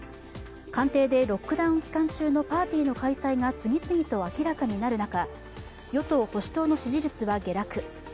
官邸でロックダウン期間中のパーティーの開催が次々と明らかになる中与党・保守党の支持率は下落。